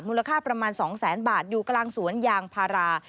มูลค่าประมาณ๒๐๐๐๐๐บาทอยู่กลางสวนยางพารา